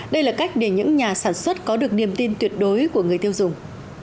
đây là cách để những nhà sản xuất có được niềm tin tuyệt đối của người tiêu dùng